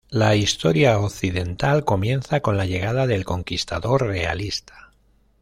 La historia occidental comienza con la llegada del conquistador realista.